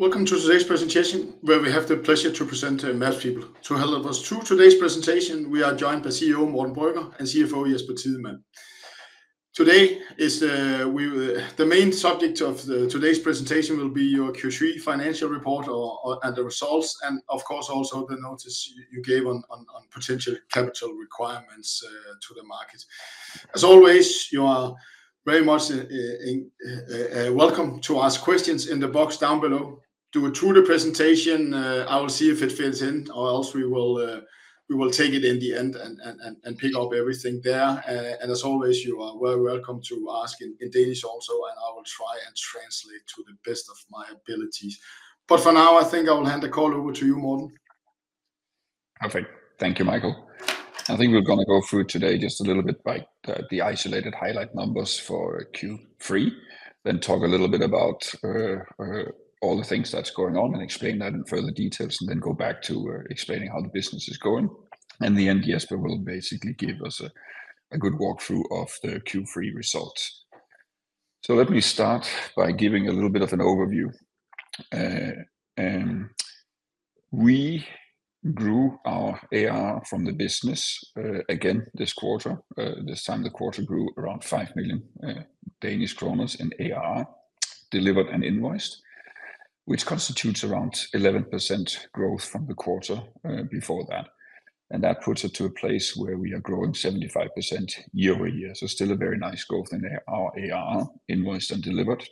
Welcome to today's presentation, where we have the pleasure to present MapsPeople. To help us through today's presentation, we are joined by CEO Morten Brøgger and CFO Jesper Tidemand. Today, the main subject of today's presentation will be your Q3 financial report or, and the results, and of course, also the notice you gave on potential capital requirements to the market. As always, you are very much welcome to ask questions in the box down below. Do it through the presentation, I will see if it fits in, or else we will take it in the end and pick up everything there. And as always, you are very welcome to ask in Danish also, and I will try and translate to the best of my abilities. But for now, I think I will hand the call over to you, Morten. Perfect. Thank you, Michael. I think we're gonna go through today just a little bit by the isolated highlight numbers for Q3, then talk a little bit about all the things that's going on and explain that in further details, and then go back to explaining how the business is going. In the end, Jesper will basically give us a good walkthrough of the Q3 results. So let me start by giving a little bit of an overview. We grew our ARR from the business again this quarter. This time the quarter grew around 5 million Danish kroner in ARR, delivered and invoiced, which constitutes around 11% growth from the quarter before that. And that puts it to a place where we are growing 75% year-over-year. So still a very nice growth in our ARR, invoiced and delivered,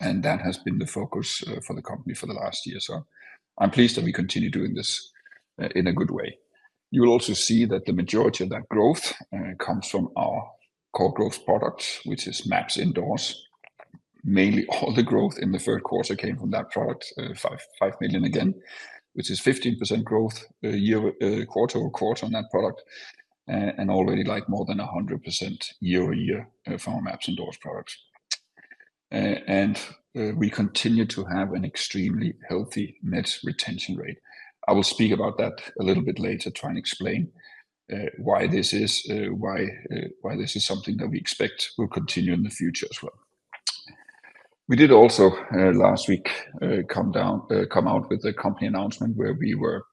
and that has been the focus for the company for the last year, so I'm pleased that we continue doing this in a good way. You will also see that the majority of that growth comes from our core growth product, which is MapsIndoors. Mainly all the growth in the third quarter came from that product, 5.5 million, again, which is 15% growth, quarter-over-quarter on that product, and already like more than 100% year-over-year from our MapsIndoors products. And we continue to have an extremely healthy net retention rate. I will speak about that a little bit later, try and explain, why this is, why, why this is something that we expect will continue in the future as well. We did also, last week, come out with a company announcement where we were,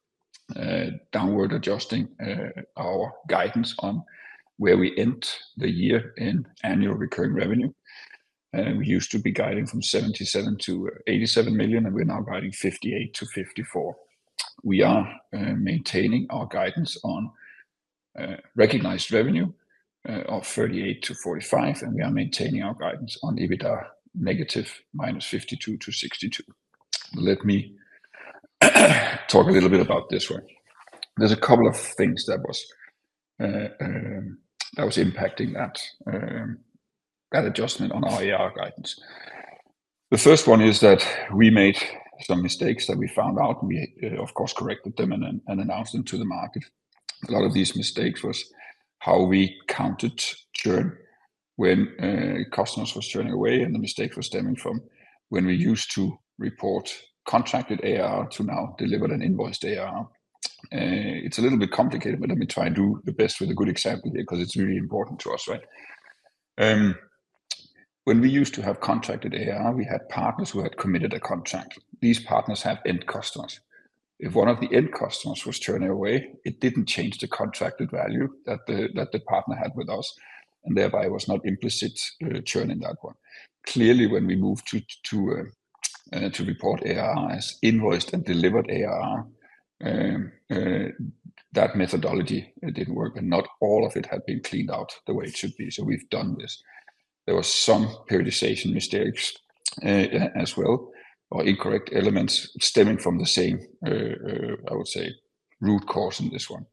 downward adjusting, our guidance on where we end the year in annual recurring revenue. We used to be guiding from 77 million-87 million, and we're now guiding 58 million- 54 million. We are, maintaining our guidance on, recognized revenue, of 38 million-45 million, and we are maintaining our guidance on EBITDA, negative minus 52 million-62 million. Let me talk a little bit about this one. There's a couple of things that was impacting that adjustment on our ARR guidance. The first one is that we made some mistakes that we found out, and we, of course, corrected them and then, and announced them to the market. A lot of these mistakes was how we counted churn when customers was churning away, and the mistake was stemming from when we used to report contracted ARR to now delivered and invoiced ARR. It's a little bit complicated, but let me try and do the best with a good example there, because it's really important to us, right? When we used to have contracted ARR, we had partners who had committed a contract. These partners have end customers. If one of the end customers was churning away, it didn't change the contracted value that the, that the partner had with us, and thereby was not implicit churn in that one. Clearly, when we moved to report ARR as invoiced and delivered ARR, that methodology, it didn't work, and not all of it had been cleaned out the way it should be, so we've done this. There were some periodization mistakes, as well, or incorrect elements stemming from the same, I would say, root cause in this one,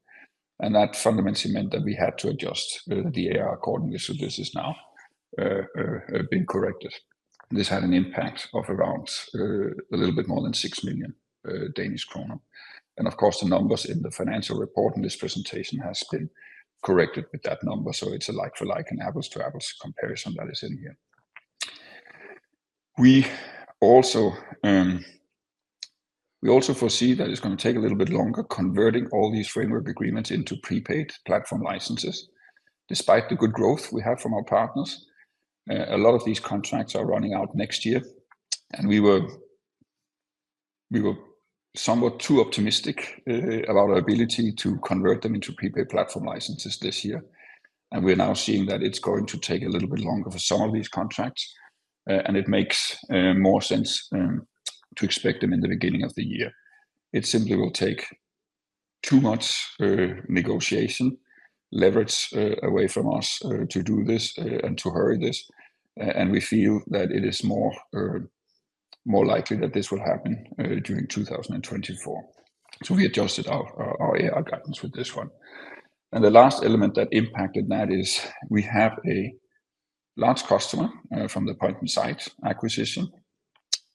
and that fundamentally meant that we had to adjust the ARR accordingly, so this is now been corrected. This had an impact of around a little bit more than 6 million Danish kroner. Of course, the numbers in the financial report in this presentation has been corrected with that number, so it's a like for like and apples to apples comparison that is in here. We also foresee that it's gonna take a little bit longer, converting all these Framework Agreements into Prepaid Platform Licenses. Despite the good growth we have from our partners, a lot of these contracts are running out next year, and we were somewhat too optimistic about our ability to convert them into Prepaid Platform Licenses this year. And we're now seeing that it's going to take a little bit longer for some of these contracts, and it makes more sense to expect them in the beginning of the year. It simply will take too much negotiation leverage away from us to do this and to hurry this, and we feel that it is more likely that this will happen during 2024. So we adjusted our guidance with this one. And the last element that impacted that is we have a large customer from the Point Inside acquisition,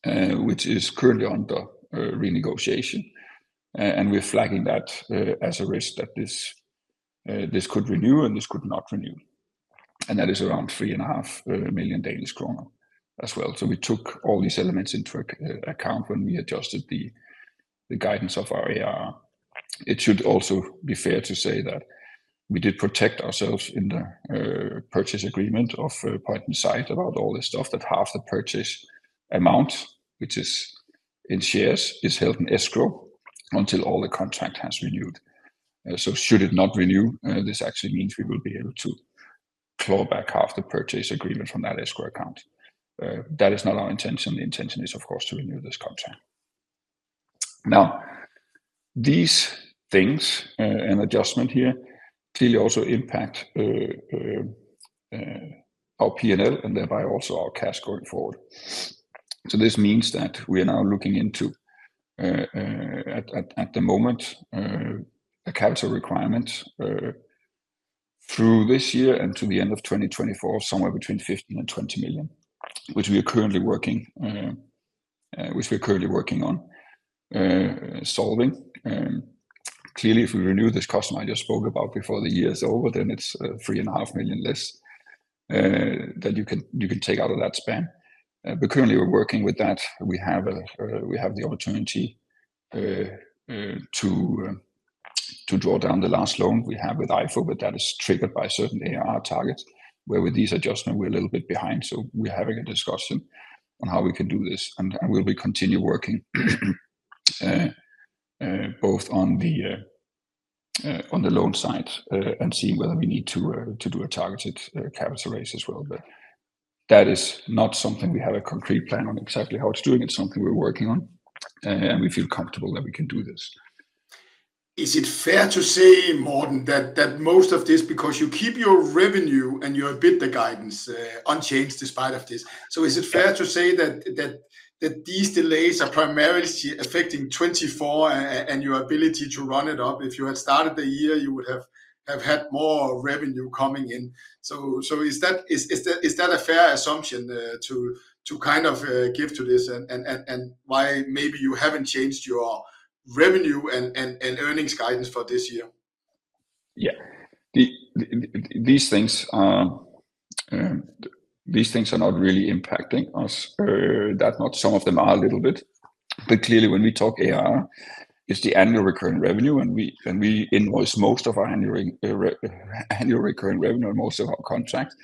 which is currently under renegotiation, and we're flagging that as a risk that this could renew, and this could not renew, and that is around 3.5 million Danish kroner as well. So we took all these elements into account when we adjusted the guidance of our ARR. It should also be fair to say that we did protect ourselves in the purchase agreement of Point Inside about all this stuff, that half the purchase amount, which is in shares, is held in escrow until all the contract has renewed. So should it not renew, this actually means we will be able to claw back half the purchase agreement from that escrow account. That is not our intention. The intention is, of course, to renew this contract. Now, these things and adjustment here clearly also impact our P&L, and thereby also our cash going forward. So this means that we are now looking into at the moment a capital requirement through this year and to the end of 2024, somewhere between 15 million-20 million, which we're currently working on solving. Clearly, if we renew this customer I just spoke about before the year is over, then it's 3.5 million less that you can take out of that spend. But currently we're working with that. We have the opportunity to draw down the last loan we have with EIFO, but that is triggered by certain ARR targets, where with these adjustment, we're a little bit behind. So we're having a discussion on how we can do this, and we'll be continue working both on the loan side and seeing whether we need to do a targeted capital raise as well. But that is not something we have a concrete plan on exactly how it's doing. It's something we're working on, and we feel comfortable that we can do this. Is it fair to say, Morten, that most of this, because you keep your revenue and you have beat the guidance, unchanged despite of this? So is it fair to say that these delays are primarily affecting 2024 and your ability to run it up? If you had started the year, you would have had more revenue coming in. So is that a fair assumption to kind of give to this and why maybe you haven't changed your revenue and earnings guidance for this year? Yeah. These things are these things are not really impacting us that much. Some of them are a little bit, but clearly, when we talk ARR, it's the annual recurring revenue, and we and we invoice most of our annual recurring revenue and most of our contract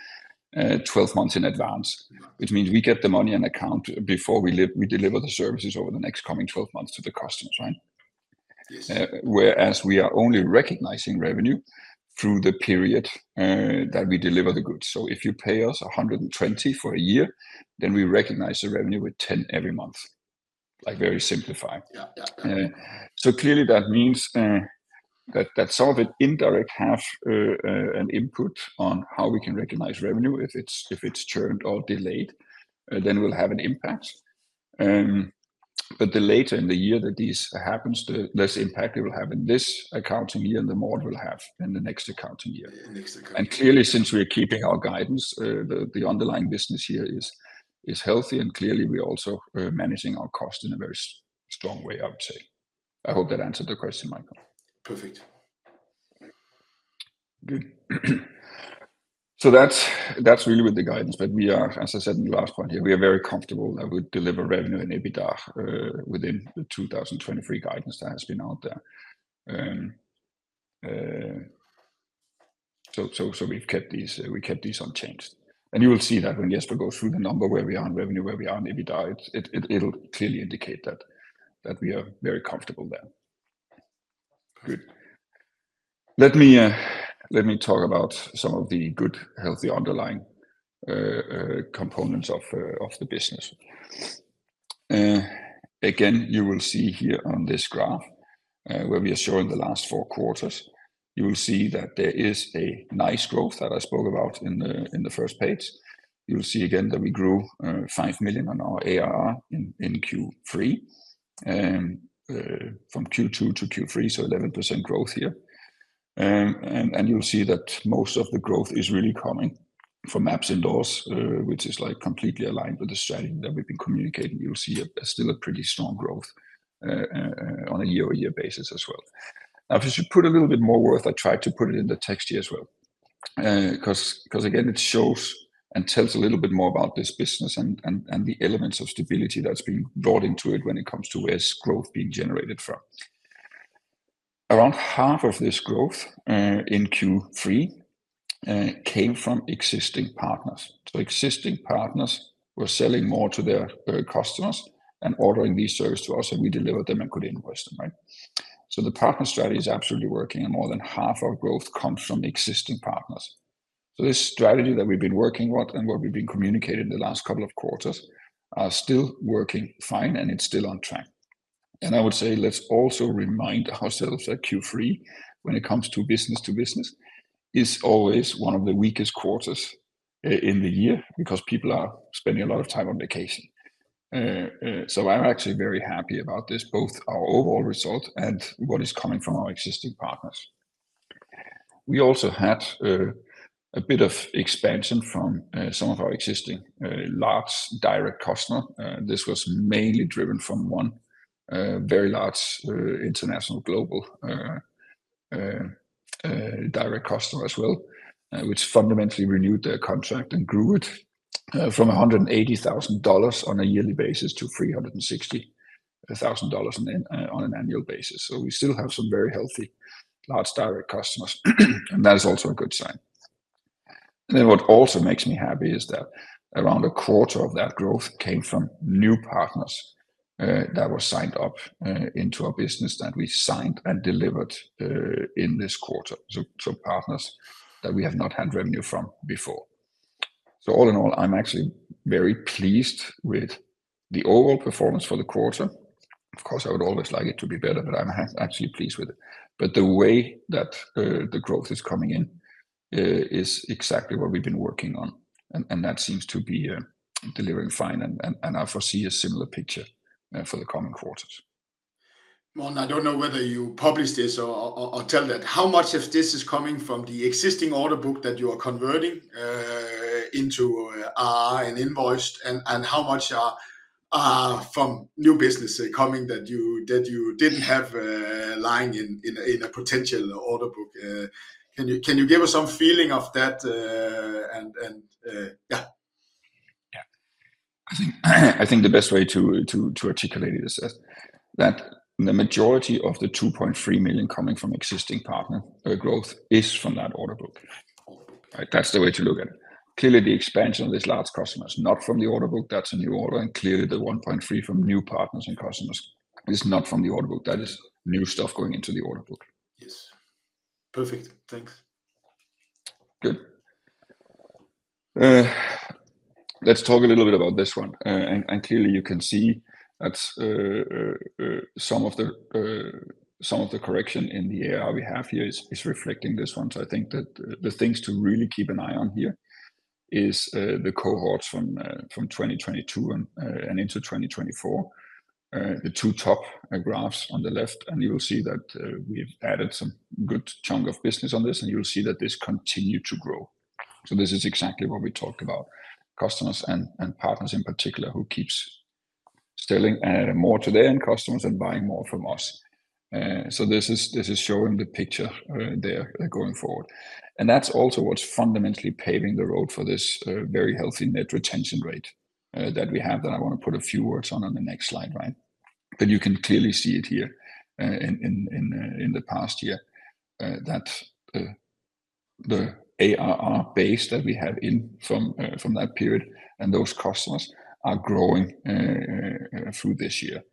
12 months in advance, which means we get the money on account before we deliver the services over the next coming 12 months to the customers, right? Yes. Whereas we are only recognizing revenue through the period that we deliver the goods. So if you pay us 120 for a year, then we recognize the revenue with 10 every month, like very simplified. Yeah. Yeah. So clearly that means that sort of indirect half an input on how we can recognize revenue. If it's churned or delayed, then we'll have an impact. But the later in the year that this happens, the less impact it will have in this accounting year, and the more it will have in the next accounting year. Next accounting year. Clearly, since we are keeping our guidance, the underlying business here is healthy, and clearly we are also managing our cost in a very strong way, I would say. I hope that answered the question, Michael. Perfect. Good. So that's really with the guidance, but we are, as I said in the last point here, we are very comfortable that we deliver revenue and EBITDA within the 2023 guidance that has been out there. So we've kept these, we kept these unchanged. And you will see that when Jesper goes through the number, where we are in revenue, where we are in EBITDA, it'll clearly indicate that we are very comfortable there. Good. Let me talk about some of the good, healthy, underlying components of the business. Again, you will see here on this graph, where we are showing the last four quarters, you will see that there is a nice growth that I spoke about in the first page. You will see again that we grew 5 million on our ARR in Q3 from Q2 to Q3, so 11% growth here. And you'll see that most of the growth is really coming from MapsIndoors, which is like completely aligned with the strategy that we've been communicating. You'll see still a pretty strong growth on a year-over-year basis as well. Now, just to put a little bit more worth, I tried to put it in the text here as well, 'cause again, it shows and tells a little bit more about this business and the elements of stability that's been brought into it when it comes to where's growth being generated from. Around half of this growth in Q3 came from existing partners. So existing partners were selling more to their, customers and ordering these services to us, and we delivered them and could invoice them, right? So the partner strategy is absolutely working, and more than half of our growth comes from existing partners. So this strategy that we've been working with and what we've been communicating the last couple of quarters are still working fine, and it's still on track. And I would say, let's also remind ourselves that Q3, when it comes to business to business, is always one of the weakest quarters in the year because people are spending a lot of time on vacation. So I'm actually very happy about this, both our overall result and what is coming from our existing partners. We also had a bit of expansion from some of our existing large direct customer. This was mainly driven from one very large international global direct customer as well, which fundamentally renewed their contract and grew it from $180,000 on a yearly basis to $360,000 on an annual basis. So we still have some very healthy large direct customers, and that is also a good sign. Then what also makes me happy is that around a quarter of that growth came from new partners that were signed up into our business, that we signed and delivered in this quarter. So partners that we have not had revenue from before. So all in all, I'm actually very pleased with the overall performance for the quarter. Of course, I would always like it to be better, but I'm actually pleased with it. But the way that the growth is coming in is exactly what we've been working on, and that seems to be delivering fine, and I foresee a similar picture for the coming quarters. Morten, I don't know whether you published this or tell that. How much of this is coming from the existing order book that you are converting into an invoice, and how much are from new business coming that you didn't have lying in a potential order book? Can you give us some feeling of that, and yeah. Yeah. I think, I think the best way to articulate it is that the majority of the 2.3 million coming from existing partner growth is from that order book, right? That's the way to look at it. Clearly, the expansion of this large customer is not from the order book, that's a new order. And clearly, the 1.3 million from new partners and customers is not from the order book, that is new stuff going into the order book. Yes. Perfect, thanks. Good. Let's talk a little bit about this one. And clearly you can see that some of the correction in the ARR we have here is reflecting this one. So I think that the things to really keep an eye on here is the cohorts from 2022 and into 2024. The two top graphs on the left, and you will see that we've added some good chunk of business on this, and you'll see that this continued to grow. So this is exactly what we talked about, customers and partners in particular, who keeps selling more to their end customers and buying more from us. So this is showing the picture there going forward. That's also what's fundamentally paving the road for this, very healthy net retention rate, that we have, that I want to put a few words on, on the next slide, right? But you can clearly see it here, in the past year, that, the ARR base that we have in from, from that period, and those customers are growing, through this year.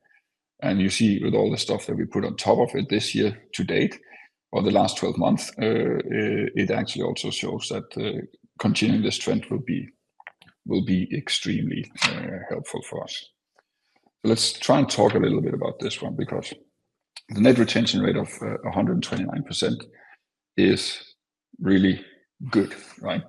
You see with all the stuff that we put on top of it this year to date, or the last 12 months, it actually also shows that, continuing this trend will be, will be extremely, helpful for us. Let's try and talk a little bit about this one, because the net retention rate of 129% is really good, right?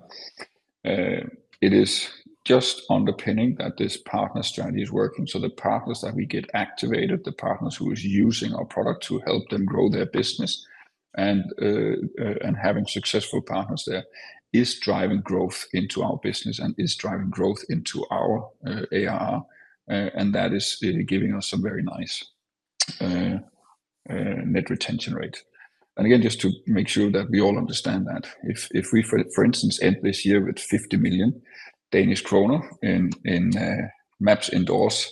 It is just underpinning that this partner strategy is working. So the partners that we get activated, the partners who is using our product to help them grow their business, and and having successful partners there, is driving growth into our business and is driving growth into our ARR. And that is giving us a very nice net retention rate. And again, just to make sure that we all understand that, if we, for instance, end this year with 50 million Danish kroner in MapsIndoors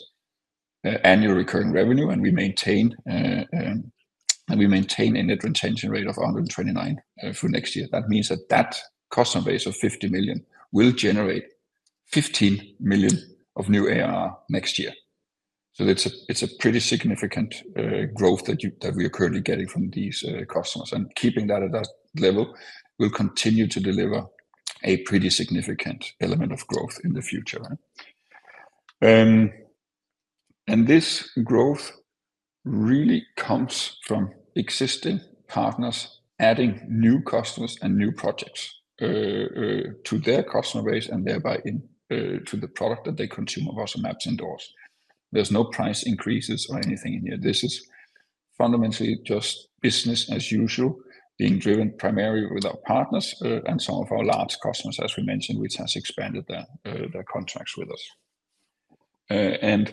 annual recurring revenue, and we maintain and we maintain a net retention rate of 129 for next year, that means that that customer base of 50 million will generate 15 million of new ARR next year. So it's a pretty significant growth that we are currently getting from these customers. And keeping that at that level will continue to deliver a pretty significant element of growth in the future, right? And this growth really comes from existing partners adding new customers and new projects to their customer base, and thereby into the product that they consume of ours, MapsIndoors. There's no price increases or anything in here. This is fundamentally just business as usual, being driven primarily with our partners and some of our large customers, as we mentioned, which has expanded their contracts with us. And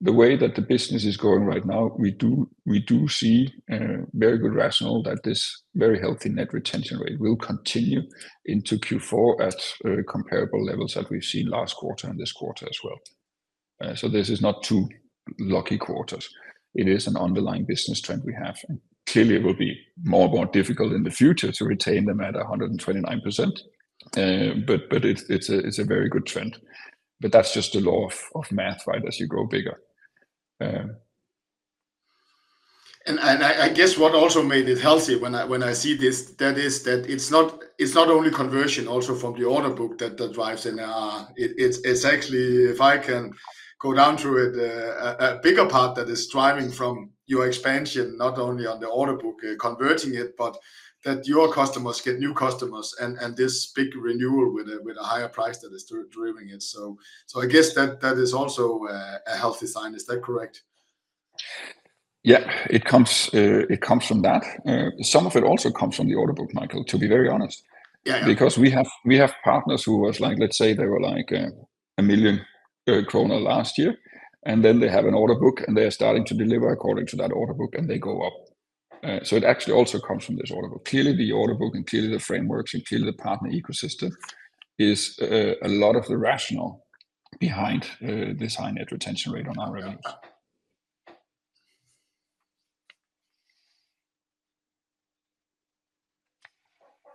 the way that the business is going right now, we do, we do see a very good rationale that this very healthy net retention rate will continue into Q4 at comparable levels that we've seen last quarter and this quarter as well. So this is not two lucky quarters, it is an underlying business trend we have. And clearly, it will be more and more difficult in the future to retain them at 129%. But it's a very good trend. But that's just the law of math, right? As you grow bigger, I guess what also made it healthy when I see this, that it's not only conversion also from the order book that drives the ARR, it's actually, if I can go down to it, a bigger part that is driving from your expansion, not only on the order book converting it, but that your customers get new customers, and this big renewal with a higher price that is driving it. So I guess that that is also a healthy sign, is that correct? Yeah, it comes, it comes from that. Some of it also comes from the order book, Michael, to be very honest. Yeah. Because we have, we have partners who was like, let's say they were like, 1 million kroner last year, and then they have an order book, and they are starting to deliver according to that order book, and they go up. So it actually also comes from this order book. Clearly, the order book, and clearly the frameworks, and clearly the partner ecosystem is a lot of the rational behind this high net retention rate on our revenue.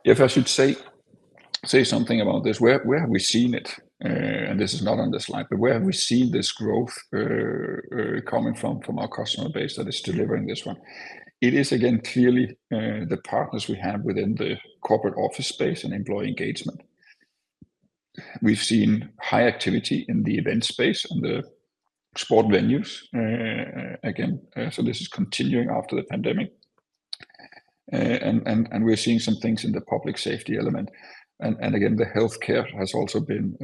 If I should say, say something about this, where have we seen it? And this is not on the slide, but where have we seen this growth coming from our customer base that is delivering this one? It is, again, clearly, the partners we have within the corporate office space and employee engagement. We've seen high activity in the event space and the sport venues. Again, so this is continuing after the pandemic. We're seeing some things in the public safety element. And again, the healthcare has also been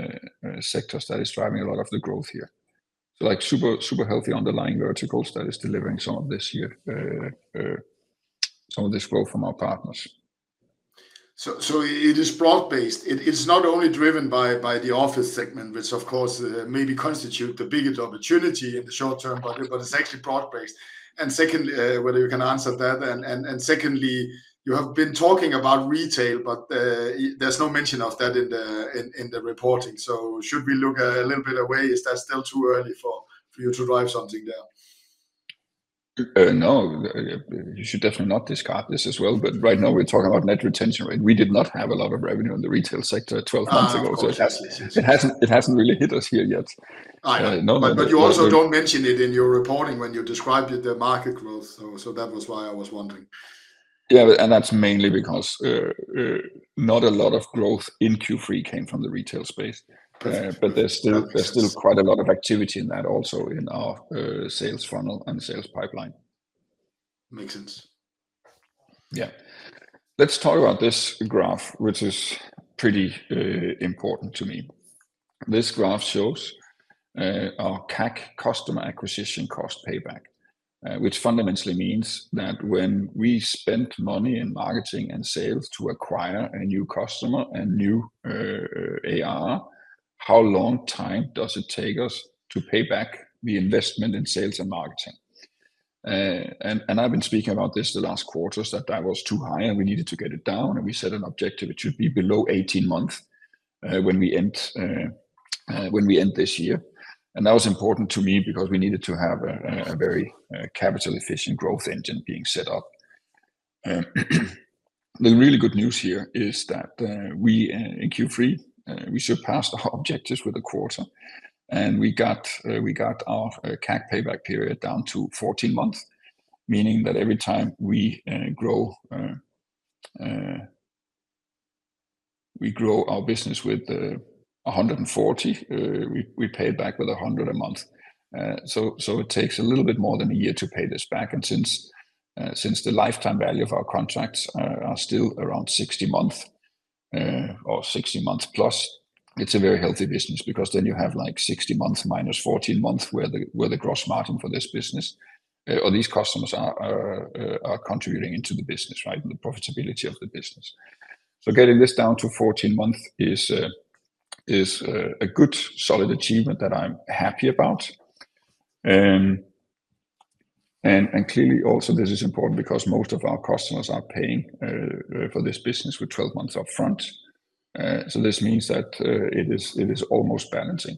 a sector that is driving a lot of the growth here. Like, super, super healthy underlying verticals that is delivering some of this growth from our partners. So, it is broad-based. It's not only driven by the office segment, which of course maybe constitute the biggest opportunity in the short term, but it's actually broad-based. And secondly, whether you can answer that, and secondly, you have been talking about retail, but there's no mention of that in the reporting. So should we look a little bit away? Is that still too early for you to drive something there? No, you should definitely not discard this as well, but right now we're talking about net retention rate. We did not have a lot of revenue in the retail sector 12 months ago. Ah, of course. Yes, yes. It hasn't, it hasn't really hit us here yet. I know. No, no- But you also don't mention it in your reporting when you described it, the market growth, so, so that was why I was wondering. Yeah, but that's mainly because not a lot of growth in Q3 came from the retail space. Perfect. but there's still- Yes... there's still quite a lot of activity in that also in our sales funnel and sales pipeline. Makes sense. Yeah. Let's talk about this graph, which is pretty important to me. This graph shows our CAC, Customer Acquisition Cost payback, which fundamentally means that when we spend money in marketing and sales to acquire a new customer and new ARR, how long time does it take us to pay back the investment in sales and marketing? And I've been speaking about this the last quarters, that that was too high, and we needed to get it down, and we set an objective it should be below 18 months when we end this year. And that was important to me because we needed to have a very capital efficient growth engine being set up. The really good news here is that we, in Q3, surpassed our objectives for the quarter, and we got our CAC payback period down to 14 months, meaning that every time we grow, we grow our business with 140, we pay back with 100 a month. So it takes a little bit more than a year to pay this back, and since the lifetime value of our contracts are still around 60 months, or 60 months plus, it's a very healthy business, because then you have like 60 months minus 14 months, where the gross margin for this business, or these customers are contributing into the business, right? The profitability of the business. So getting this down to 14 months is a good solid achievement that I'm happy about. And clearly also this is important because most of our customers are paying for this business with 12 months up front. So this means that it is almost balancing.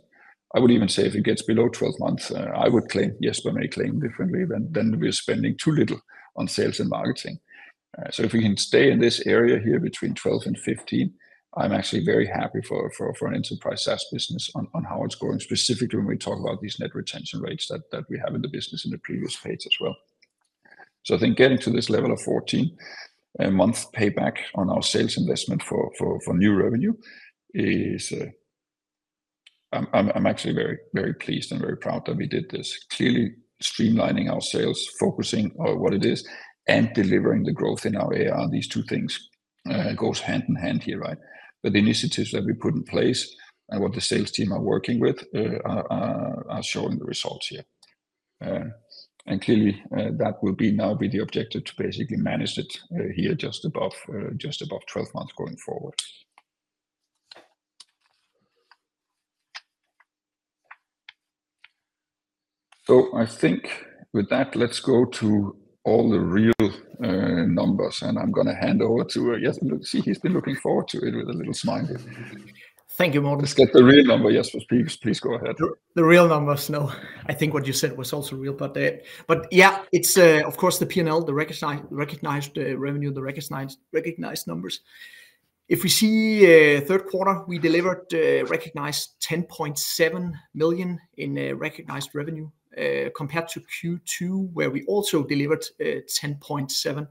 I would even say if it gets below 12 months, I would claim, Jesper may claim differently, then we're spending too little on sales and marketing. So if we can stay in this area here between 12 and 15, I'm actually very happy for an enterprise SaaS business on how it's growing, specifically when we talk about these net retention rates that we have in the business in the previous phase as well. So I think getting to this level of 14-month payback on our sales investment for new revenue is... I'm actually very pleased and very proud that we did this. Clearly, streamlining our sales, focusing on what it is, and delivering the growth in our ARR, these two things goes hand in hand here, right? But the initiatives that we put in place and what the sales team are working with are showing the results here. And clearly, that will now be the objective to basically manage it here just above 12 months going forward. So I think with that, let's go to all the real numbers, and I'm gonna hand over to Jesper. See, he's been looking forward to it with a little smile here. Thank you, Morten. Let's get the real number, Jesper. Please, please go ahead. The real numbers. No, I think what you said was also real, but. But yeah, it's of course the P&L, the recognized revenue, the recognized numbers. If we see third quarter, we delivered recognized $10.7 million in recognized revenue compared to Q2, where we also delivered $10.7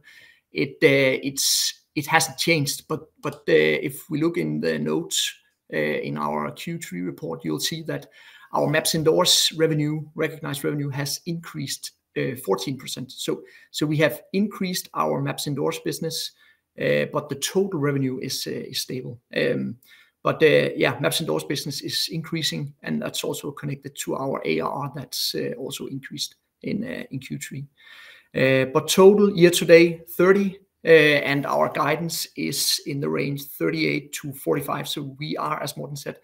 million. It hasn't changed, but if we look in the notes in our Q3 report, you'll see that our MapsIndoors revenue, recognized revenue, has increased 14%. So we have increased our MapsIndoors business, but the total revenue is stable. But yeah, MapsIndoors business is increasing, and that's also connected to our ARR, that's also increased in Q3. But total year to date $30 million, and our guidance is in the range $38 million-$45 million. So we are, as Morten said,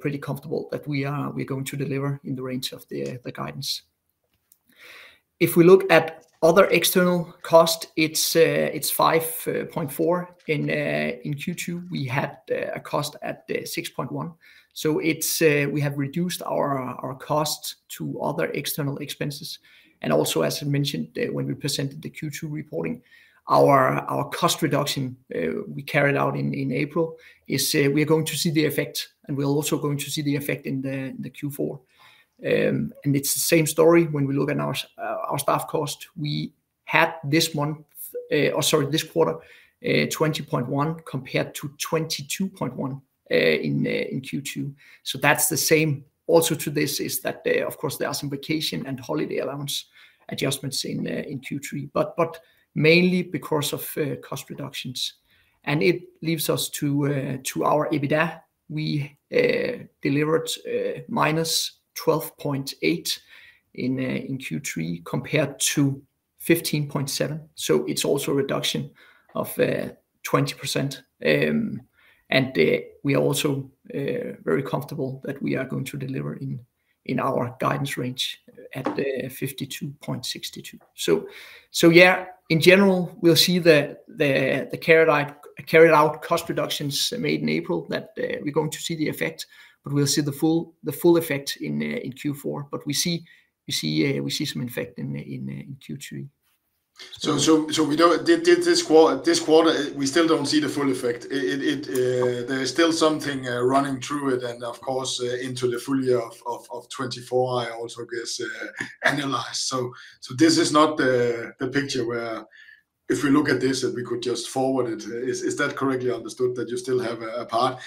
pretty comfortable that we are, we're going to deliver in the range of the guidance. If we look at other external costs, it's 5.4. In Q2, we had a cost at 6.1. So it's, we have reduced our costs to other external expenses. And also, as I mentioned, when we presented the Q2 reporting, our cost reduction we carried out in April is, we're going to see the effect, and we're also going to see the effect in the Q4. And it's the same story when we look at our staff cost. We had this month, or sorry, this quarter, 20.1 compared to 22.1 in Q2. So that's the same also to this, is that there, of course, there are some vacation and holiday allowance adjustments in Q3, but mainly because of cost reductions. And it leaves us to our EBITDA. We delivered -12.8 in Q3, compared to 15.7, so it's also a reduction of 20%. And we are also very comfortable that we are going to deliver in our guidance range at the 52-62. So yeah, in general, we'll see the carried out cost reductions made in April, that we're going to see the effect, but we'll see the full effect in Q4. But we see some effect in Q3. So, did this quarter, we still don't see the full effect? There is still something running through it, and of course, into the full year of 2024, I also guess annualized. So this is not the picture where if we look at this, that we could just forward it. Is that correctly understood, that you still have a part?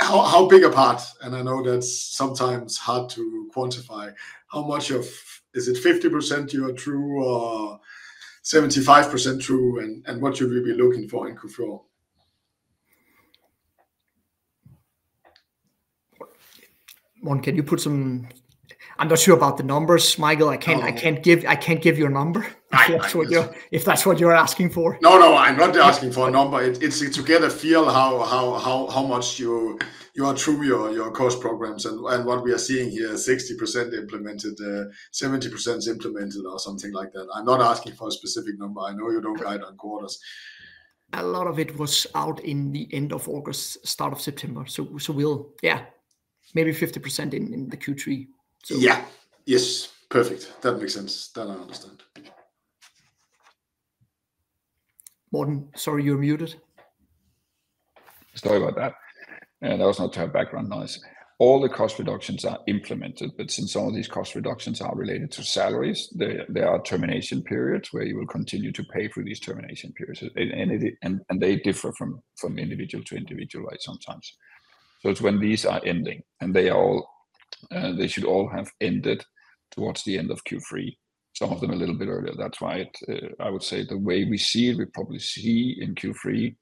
How big a part? And I know that's sometimes hard to quantify. How much of... Is it 50% you are through, or 75% through, and what should we be looking for in Q4? Morten, can you put some... I'm not sure about the numbers, Michael. Oh. I can't give you a number. I, I- If that's what you're asking for. No, no, I'm not asking for a number. It's to get a feel how much you are through your cost programs. And what we are seeing here, 60% implemented, 70% is implemented, or something like that. I'm not asking for a specific number. I know you don't guide on quarters. A lot of it was out in the end of August, start of September. So we'll... Yeah, maybe 50% in the Q3. So- Yeah. Yes, perfect. That makes sense. That I understand. Morten, sorry, you're muted. Sorry about that. And I also not to have background noise. All the cost reductions are implemented, but since some of these cost reductions are related to salaries, there are termination periods where you will continue to pay through these termination periods. And they differ from individual to individual, right? Sometimes. So it's when these are ending, and they should all have ended towards the end of Q3, some of them a little bit earlier. That's why, I would say the way we see it, we probably see in Q3,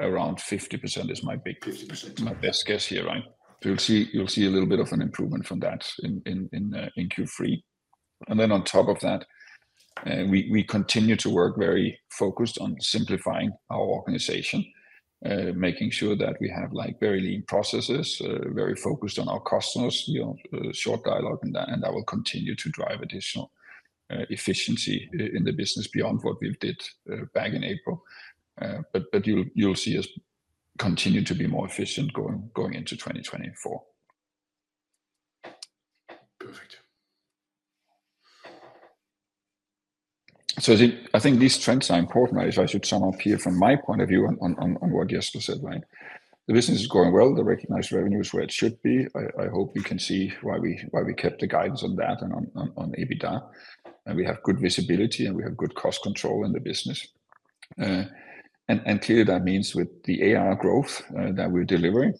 around 50% is my big- Fifty percent... my best guess here, right? You'll see a little bit of an improvement from that in Q3. And then on top of that, we continue to work very focused on simplifying our organization, making sure that we have like very lean processes, very focused on our customers, you know, short dialogue, and that will continue to drive additional efficiency in the business beyond what we did back in April. But you'll see us continue to be more efficient going into 2024. Perfect. I think these trends are important, right? If I should sum up here from my point of view on what Jesper said, right? The business is going well. The recognized revenue is where it should be. I hope you can see why we kept the guidance on that and on EBITDA. And we have good visibility, and we have good cost control in the business. And clearly, that means with the AR growth that we're delivering,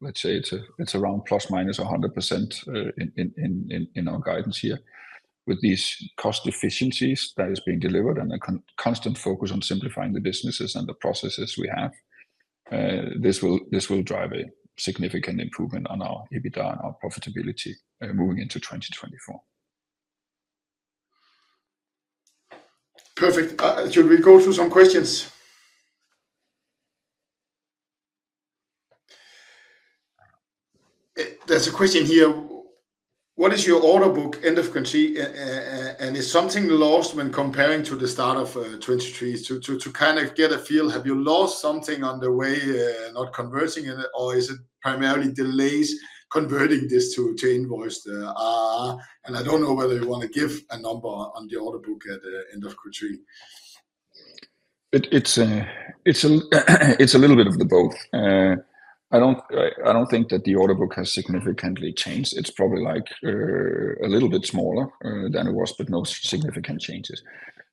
let's say it's around ±100% in our guidance here. With these cost efficiencies that is being delivered and a constant focus on simplifying the businesses and the processes we have, this will drive a significant improvement on our EBITDA and our profitability, moving into 2024. Perfect. Should we go through some questions? There's a question here: What is your order book end of Q3, and is something lost when comparing to the start of 2023? To kind of get a feel, have you lost something on the way, not converting it, or is it primarily delays converting this to invoice, the... And I don't know whether you want to give a number on the order book at the end of Q3. It's a little bit of both. I don't think that the order book has significantly changed. It's probably like a little bit smaller than it was, but no significant changes.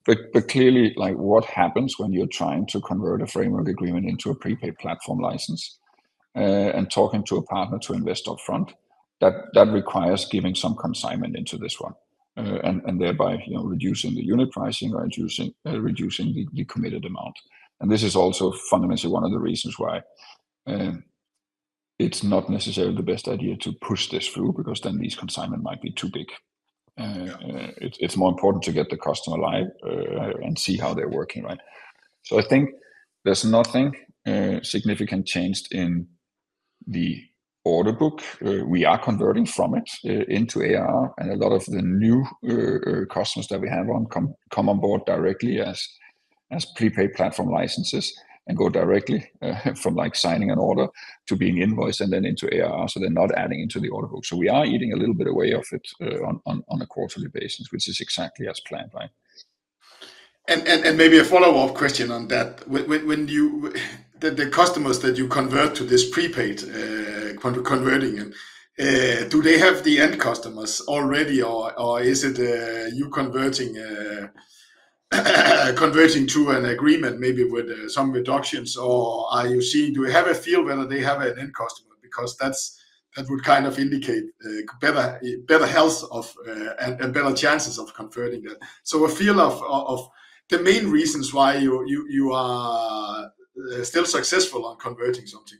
But clearly, like, what happens when you're trying to convert a Framework Agreement into a Prepaid Platform License and talking to a partner to invest upfront, that requires giving some concession into this one. And thereby, you know, reducing the unit pricing or reducing the committed amount. And this is also fundamentally one of the reasons why it's not necessarily the best idea to push this through, because then these concessions might be too big. It's more important to get the customer live and see how they're working, right? So I think there's nothing significant changed in the order book, we are converting from it into ARR, and a lot of the new customers that we have coming on board directly as prepaid platform licenses and go directly from, like, signing an order to being invoiced and then into ARR. So they're not adding into the order book. So we are eating a little bit away of it on a quarterly basis, which is exactly as planned, right? Maybe a follow-up question on that. When the customers that you convert to this prepaid, when converting them, do they have the end customers already, or is it you converting to an agreement maybe with some reductions? Or are you seeing—do you have a feel whether they have an end customer? Because that would kind of indicate better health and better chances of converting it. So a feel of the main reasons why you are still successful on converting something.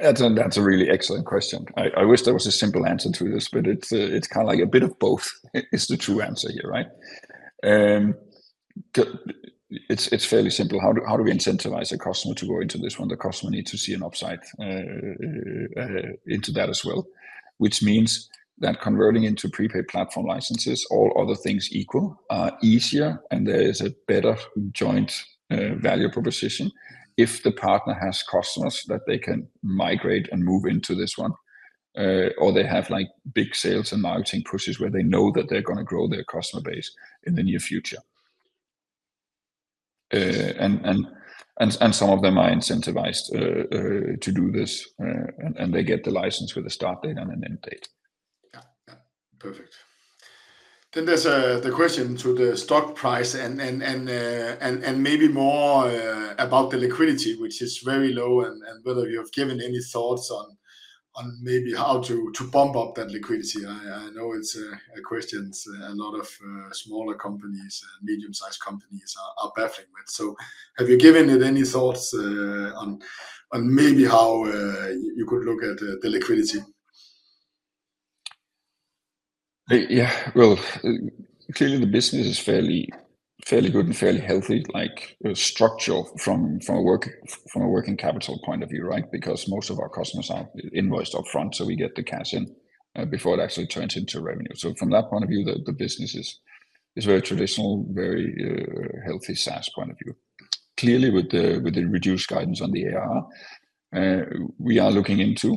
That's a really excellent question. I wish there was a simple answer to this, but it's, it's kind of like a bit of both is the true answer here, right? It's fairly simple. How do we incentivize a customer to go into this one? The customer need to see an upside into that as well, which means that converting into Prepaid Platform Licenses, all other things equal, are easier, and there is a better joint value proposition if the partner has customers that they can migrate and move into this one. Or they have, like, big sales and marketing pushes where they know that they're gonna grow their customer base in the near future. And some of them are incentivized to do this, and they get the license with a start date and an end date. Yeah. Yeah. Perfect. Then there's the question to the stock price and maybe more about the liquidity, which is very low, and whether you have given any thoughts on maybe how to bump up that liquidity. I know it's a question a lot of smaller companies and medium-sized companies are battling with. So have you given it any thoughts on maybe how you could look at the liquidity? Yeah, well, clearly, the business is fairly, fairly good and fairly healthy, like the structure from a working capital point of view, right? Because most of our customers are invoiced upfront, so we get the cash in before it actually turns into revenue. So from that point of view, the business is very traditional, very healthy SaaS point of view. Clearly, with the reduced guidance on the ARR, we are looking into a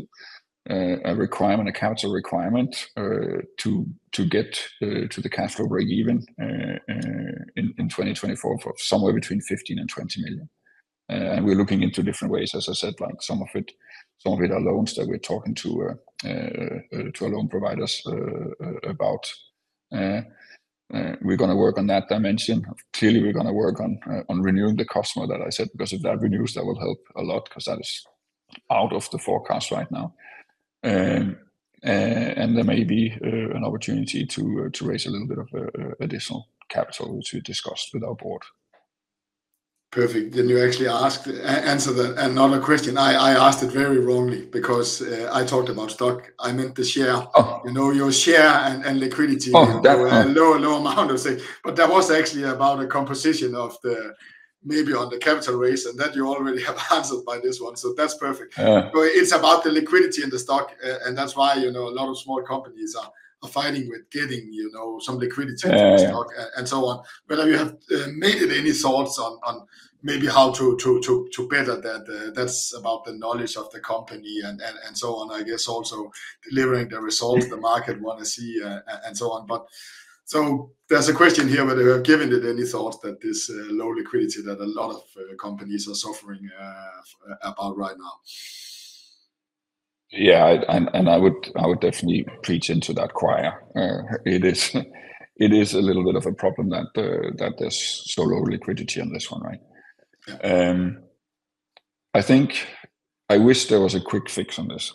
requirement, a capital requirement to get to the cash flow break-even in 2024 for somewhere between 15 million and 20 million. And we're looking into different ways, as I said, like some of it, some of it are loans that we're talking to loan providers about. We're gonna work on that dimension. Clearly, we're gonna work on renewing the customer that I said, because if that renews, that will help a lot, 'cause that is out of the forecast right now. There may be an opportunity to raise a little bit of additional capital to discuss with our board. Perfect. Then you actually asked, answered another question. I asked it very wrongly because I talked about stock. I meant the share. Uh-huh. You know, your share and, and liquidity- Oh, that,... in a low, low amount, say, but that was actually about the composition of the, maybe on the capital raise, and that you already have answered by this one, so that's perfect. Yeah. But it's about the liquidity in the stock, and that's why, you know, a lot of small companies are fighting with getting, you know, some liquidity- Yeah... in the stock and so on. But have you made any thoughts on maybe how to better that? That's about the knowledge of the company and so on, I guess also delivering the results- Yeah... the market want to see, and, and so on. But so there's a question here, whether you have given it any thought that this, low liquidity that a lot of, companies are suffering, about right now? Yeah, I would definitely preach into that choir. It is a little bit of a problem that there's so low liquidity on this one, right? I think I wish there was a quick fix on this.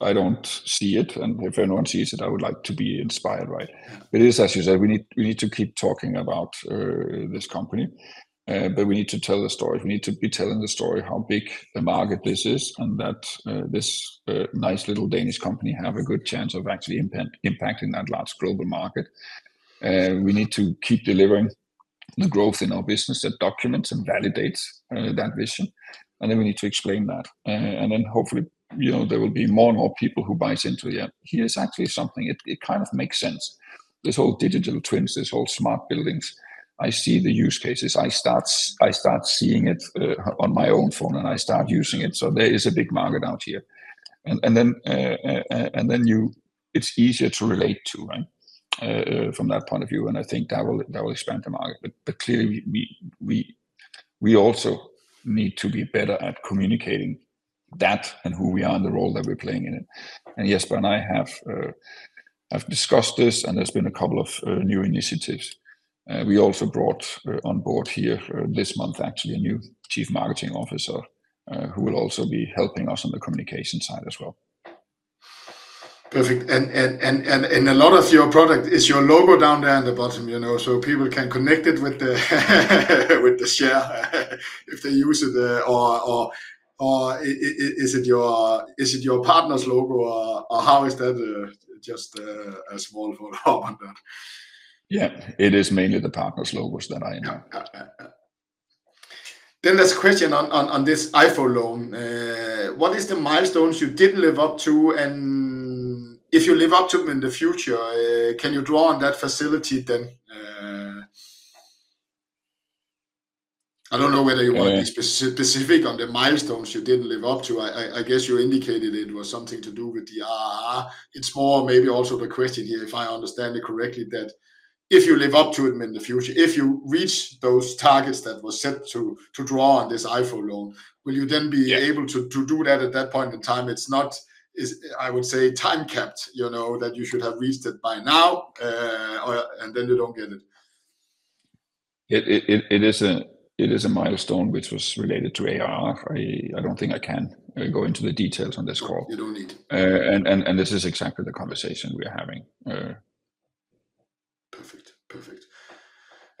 I don't see it, and if anyone sees it, I would like to be inspired, right? But it is, as you said, we need to keep talking about this company, but we need to tell the story. We need to be telling the story, how big the market this is, and that this nice little Danish company have a good chance of actually impacting that large global market. We need to keep delivering the growth in our business that documents and validates that vision, and then we need to explain that. And then hopefully, you know, there will be more and more people who buys into it. Yeah, here's actually something, it kind of makes sense. This whole Digital Twins, this whole smart buildings, I see the use cases. I start seeing it on my own phone, and I start using it, so there is a big market out here. And then you, it's easier to relate to, right? From that point of view, and I think that will expand the market. But clearly, we also need to be better at communicating that and who we are and the role that we're playing in it. And Jesper and I have discussed this, and there's been a couple of new initiatives. We also brought on board here this month, actually, a new Chief Marketing Officer who will also be helping us on the communication side as well. Perfect. And a lot of your product is your logo down there on the bottom, you know, so people can connect it with the, with the share if they use it, or is it your, is it your partner's logo, or how is that, just a small follow-up on that?... Yeah, it is mainly the partner's logos that I know. Yeah, yeah, yeah. Then there's a question on this EIFO loan. What is the milestones you didn't live up to? And if you live up to them in the future, can you draw on that facility then? I don't know whether you want- Yeah... to be specific on the milestones you didn't live up to. I guess you indicated it was something to do with the ARR. It's more maybe also the question here, if I understand it correctly, that if you live up to it in the future, if you reach those targets that were set to draw on this EIFO loan, will you then be able- Yeah... to do that at that point in time? It's not, I would say, time-capped, you know, that you should have reached it by now, or and then you don't get it. It is a milestone which was related to ARR. I don't think I can go into the details on this call. No, you don't need to. This is exactly the conversation we are having. Perfect. Perfect.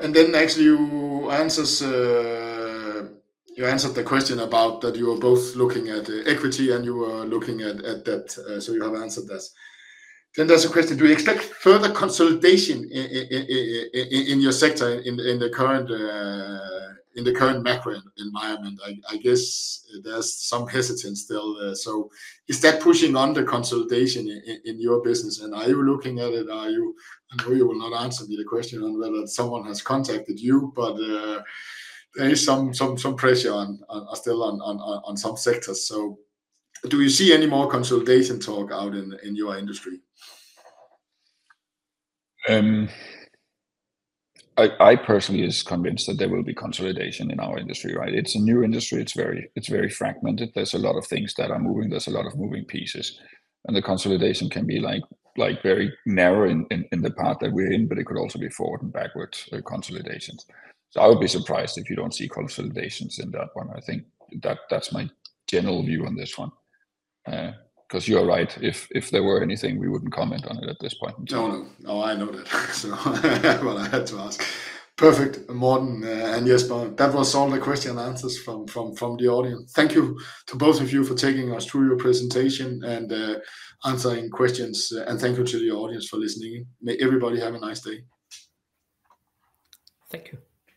And then next, your answers, you answered the question about that you are both looking at equity, and you are looking at, at debt, so you have answered this. Then there's a question: Do you expect further consolidation in your sector, in the current macro environment? I guess there's some hesitance still, so is that pushing on the consolidation in your business, and are you looking at it? Are you... I know you will not answer me the question on whether someone has contacted you, but, there is some pressure on, still on some sectors. So do you see any more consolidation talk out in your industry? I personally is convinced that there will be consolidation in our industry, right? It's a new industry. It's very fragmented. There's a lot of things that are moving. There's a lot of moving pieces, and the consolidation can be like very narrow in the path that we're in, but it could also be forward and backwards consolidations. So I would be surprised if you don't see consolidations in that one. I think that that's my general view on this one. 'Cause you are right, if there were anything, we wouldn't comment on it at this point in time. No, no. Oh, I know that. So well, I had to ask. Perfect, Morten and Jesper, that was all the question and answers from the audience. Thank you to both of you for taking us through your presentation and answering questions, and thank you to the audience for listening in. May everybody have a nice day. Thank you.